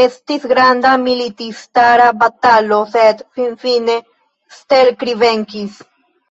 Estis granda militistara batalo, sed finfine Stelkri venkis.